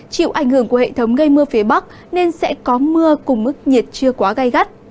chịu ảnh hưởng của hệ thống gây mưa phía bắc nên sẽ có mưa cùng mức nhiệt chưa quá gai gắt